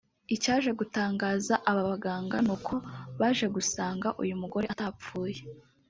Icyaje gutangaza aba baganga ni uko baje gusanga uyu mugore atapfuye